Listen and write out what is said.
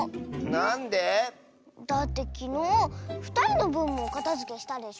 なんで？だってきのうふたりのぶんもおかたづけしたでしょ？